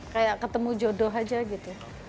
kayak ketemu jodoh aja gitu